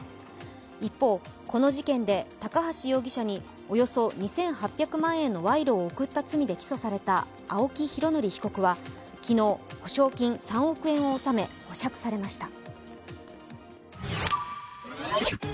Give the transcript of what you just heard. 一方、この事件で高橋容疑者におよそ２８００万円の賄賂を贈った罪で起訴された青木拡憲前会長は、昨日、保証金３億円を納め、保釈されました。